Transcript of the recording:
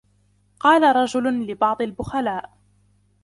قال رجل لبعض البخلاء